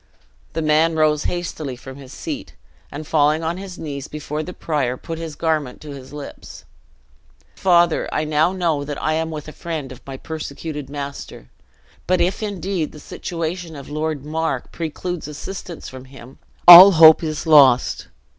The man rose hastily from his seat, and falling on his knees before the prior, put his garment to his lips: "Father, I now know that I am with a friend of my persecuted master! But if, indeed, the situation of Lord Mar precludes assistance from him, all hope is lost!